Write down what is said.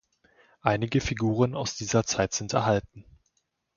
Einige Figuren aus dieser Zeit sind erhalten.